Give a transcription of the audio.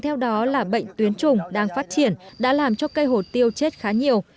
theo đó là bệnh tuyến trùng đang phát triển đã làm cho cây hổ tiêu chết khá nhiều